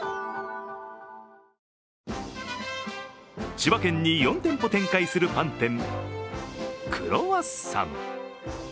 千葉県に４店舗展開するパン店、クロワッサン。